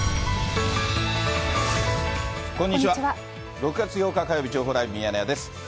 ６月８日火曜日、情報ライブミヤネ屋です。